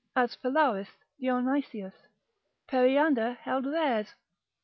as Phalaris, Dionysius, Periander held theirs.